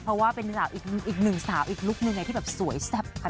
เพราะว่าเป็นสาวอีกอีกหนึ่งสาวอีกลูกนึงไงที่แบบสวยแซ่บขนาด